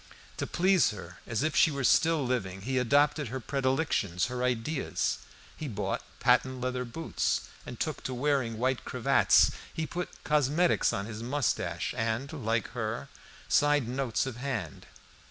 To please her, as if she were still living, he adopted her predilections, her ideas; he bought patent leather boots and took to wearing white cravats. He put cosmetics on his moustache, and, like her, signed notes of hand.